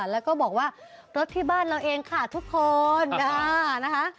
แล้วก็บอกว่ารถที่บ้านเราเองค่ะทุกคนนะคะ